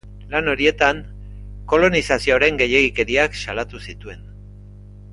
Lan horietan, kolonizazioaren gehiegikeriak salatu zituen.